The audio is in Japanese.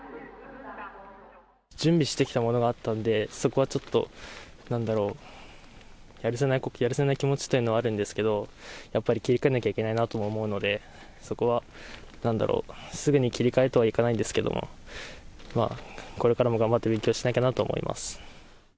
準備してきたものがあったんで、そこはちょっとなんだろう、やるせない気持ちというのはあるんですけど、やっぱり切り替えなきゃいけないなとも思うので、そこは、なんだろう、すぐに切り替えとはいかないですけれども、これからも頑張って勉強しなきゃなと思います。